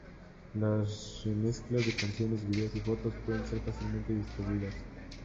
Las remezclas de canciones, videos y fotos pueden ser fácilmente distribuidas.